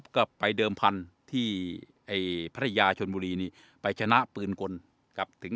ก็ไปเดิมพันธุ์ที่ไอ้ภรรยาชนบุรีนี่ไปชนะปืนกลกับถึง